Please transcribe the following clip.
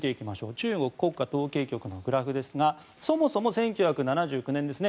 中国国家統計局のグラフですがそもそも１９７９年ですね